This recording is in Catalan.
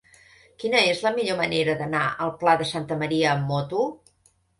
Quina és la millor manera d'anar al Pla de Santa Maria amb moto?